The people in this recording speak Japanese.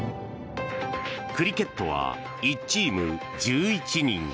クリケットは１チーム１１人。